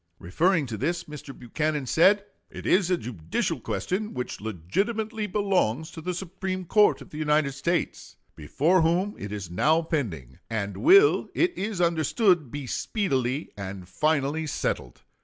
Referring to this Mr. Buchanan said: "It is a judicial question, which legitimately belongs to the Supreme Court of the United States, before whom it is now pending, and will, it is understood, be speedily and finally settled.